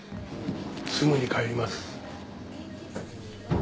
すぐに帰ります。